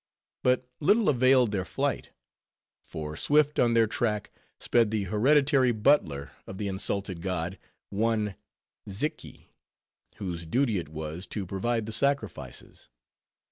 But little availed their flight. For swift on their track sped the hereditary butler of the insulted god, one Xiki, whose duty it was to provide the sacrifices.